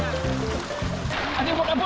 adik mau kabur